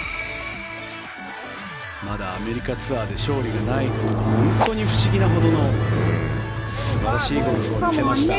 まだアメリカツアーで勝利がないのが本当に不思議なほどの素晴らしいゴルフを見せました。